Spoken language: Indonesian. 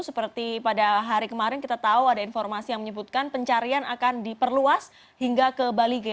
seperti pada hari kemarin kita tahu ada informasi yang menyebutkan pencarian akan diperluas hingga ke bali g